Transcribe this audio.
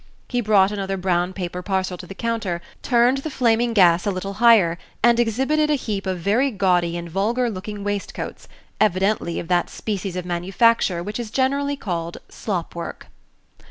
He brought another brown paper parcel to the counter, turned the flaming gas a little higher, and exhibited a heap of very gaudy and vulgar looking waistcoats, evidently of that species of manufacture which is generally called slop work.